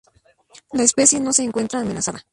La especie no se encuentra amenazada.